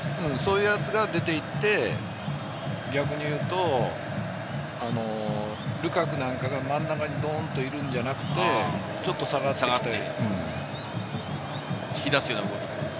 そういうヤツが出て行って、逆に言うと、ルカクなんかが真ん中にドンっといるんじゃなくて、ちょっと下がってん引き出すようなこと。